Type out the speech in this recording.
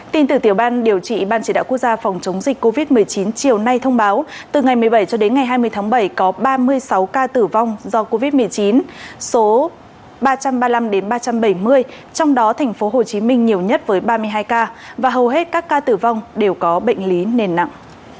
tin từ tiểu ban điều trị ban chỉ đạo quốc gia phòng chống dịch covid một mươi chín chiều nay thông báo từ ngày một mươi bảy cho đến ngày hai mươi tháng bảy có ba mươi sáu ca tử vong do covid một mươi chín số ba trăm ba mươi năm ba trăm bảy mươi trong đó tp hcm nhiều nhất với ba mươi hai ca và hầu hết các ca tử vong đều có bệnh lý nền nặng